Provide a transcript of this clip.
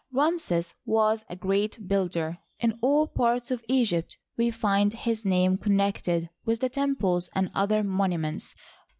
Ramses was a great builder. In all parts of Egypt we find his name connected with the temples and other monuments.